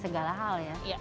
segala hal ya